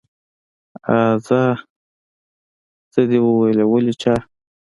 آ څه دې وويلې ولې چا.